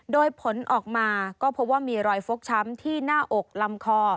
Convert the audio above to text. โดยผลออกมาก็พบว่ามีรอยฟกช้ำที่หน้าอกลำคอ